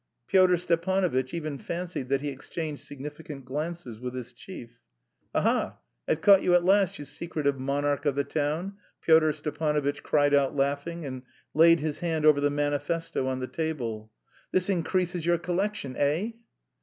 Pyotr Stepanovitch even fancied that he exchanged significant glances with his chief. "Aha, I've caught you at last, you secretive monarch of the town!" Pyotr Stepanovitch cried out laughing, and laid his hand over the manifesto on the table. "This increases your collection, eh?"